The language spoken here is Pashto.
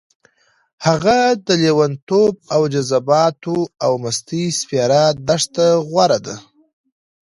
هغه د لېونتوب او جذباتو او مستۍ سپېره دښته غوره ده.